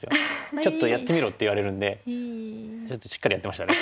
「ちょっとやってみろ」って言われるんでしっかりやってましたね。